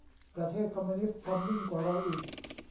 ประเทศคอมมิวนิสต์ทำยิ่งกว่าเราอีก